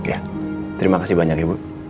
ya terima kasih banyak ibu